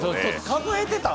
数えてたん？